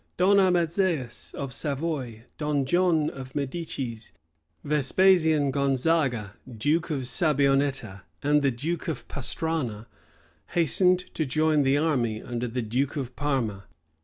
Don Amadseus of Savoy, Don John of Medicis, Vespasian Gonzaga, duke of Sabionetta, and the duke of Pastrana, hastened to join the army under the duke of Parma.